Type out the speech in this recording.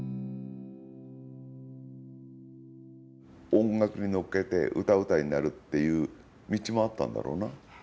音楽に乗っけて歌うたいになるっていう道もあったんだろうな。